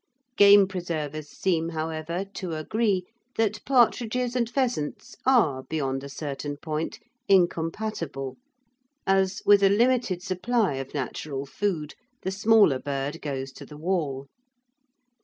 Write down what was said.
Game preservers seem, however, to agree that partridges and pheasants are, beyond a certain point, incompatible as, with a limited supply of natural food, the smaller bird goes to the wall.